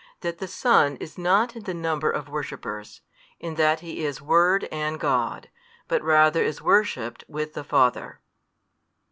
That the Son is not in the number of worshippers, in that He is Word and God, but rather is worshipped with the Father.